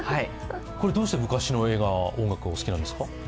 どうして昔の映画、音楽がお好きなんですか。